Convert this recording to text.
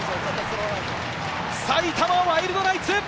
埼玉ワイルドナイツ！